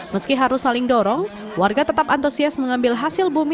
meski harus saling dorong warga tetap antusias mengambil hasil bumi